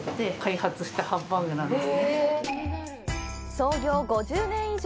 創業５０年以上。